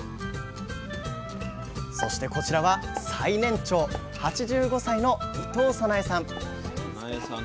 そしてこちらは最年長８５歳の伊藤さなゑさん。